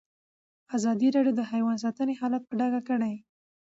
ازادي راډیو د حیوان ساتنه حالت په ډاګه کړی.